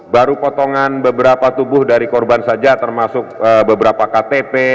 baru potongan beberapa tubuh dari korban saja termasuk beberapa ktp